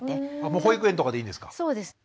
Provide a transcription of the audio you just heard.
もう保育園とかでいいんですか？